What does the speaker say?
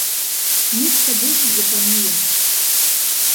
Мы з табой тут запануем.